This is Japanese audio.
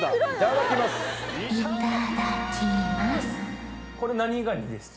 いただきます。